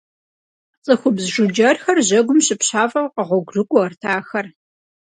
ЦӀыхубз жыджэрхэр жьэгум щыпщафӀэу къэгъуэгурыкӀуэрт ахэр.